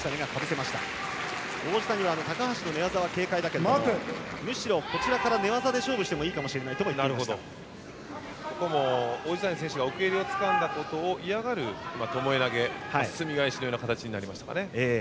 王子谷は高橋の寝技は警戒だけれどもむしろ、こちらから寝技で勝負してもいいかもしれないと王子谷選手が奥襟をつかんだことを嫌がるともえ投げ、すみ返しのような形になりましたかね。